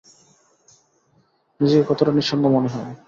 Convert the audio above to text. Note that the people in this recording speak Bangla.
নিজেকে কতটা নিঃসঙ্গ মনে হয়।